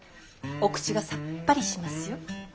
お口がさっぱりしますよ。